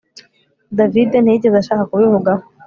David ntiyigeze ashaka kubivugaho